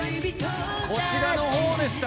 こちらの方でした。